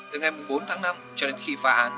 từ ngày bốn tháng năm cho đến khi phá án